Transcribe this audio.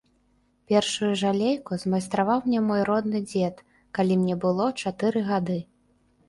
Першую жалейку змайстраваў мне мой родны дзед, калі мне было чатыры гады.